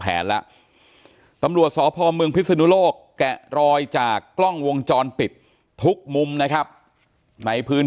แล้วตำรวจสพเมืองพิศนุโลกแกะรอยจากกล้องวงจรปิดทุกมุมนะครับในพื้น